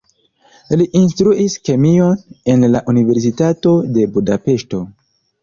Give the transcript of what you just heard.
Li instruis kemion en la universitato de Budapeŝto.